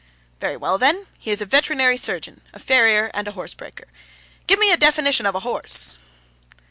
'Very well, then. He is a veterinary surgeon, a farrier, and horsebreaker. Give me your definition of a horse.